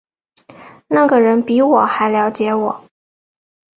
那个人比我还瞭解我